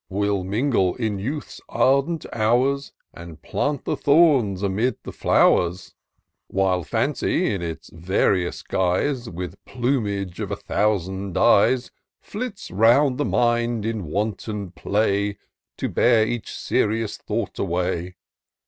Will mingle in Youth's ardent hours. And plant the thorns amid the flow'rs ; While Fancy, in its various guise. With plumage of a thousand dies, Flits round the mind in wanton play, | To bear each serious thought away.